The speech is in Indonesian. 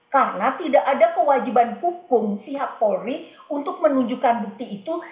karena tidak ada kewajiban hukum pihak polri untuk menunjukkan bukti itu